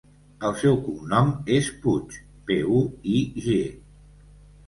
El seu cognom és Puig: pe, u, i, ge.